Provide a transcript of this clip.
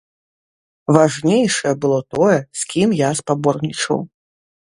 Важнейшае было тое, з кім я спаборнічаў.